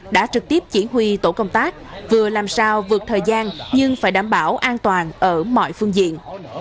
đã trực tiếp chỉ huy tổ công tác vừa làm sao vượt thời gian nhưng phải đảm bảo an toàn ở mọi phương diện